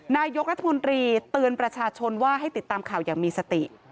นายกรัฐมนตรีเตือนประชาชนว่าให้ติดตามข่าวอย่างมีสติ